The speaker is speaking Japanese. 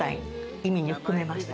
意味に含めました。